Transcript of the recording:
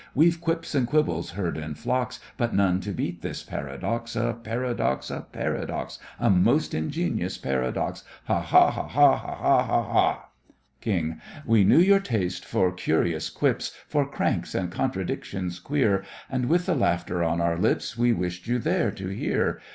We've quips and quibbles heard in flocks, But none to beat this paradox! A paradox, a paradox, A most ingenious paradox! Ha! ha! ha! ha! Ha! ha! ha! ha! KING: We knew your taste for curious quips, For cranks and contradictions queer; And with the laughter on our lips, We wished you there to hear.